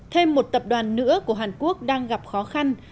thêm một tập đoàn nữa của hàn quốc đang gặp khó khăn